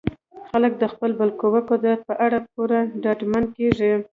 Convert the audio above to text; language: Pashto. خلک د خپل بالقوه قدرت په اړه پوره ډاډمن کیږي.